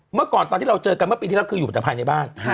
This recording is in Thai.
เมื่อก่อนตอนที่เราเจอกันเมื่อปีที่แล้วคืออยู่แต่ภายในบ้าน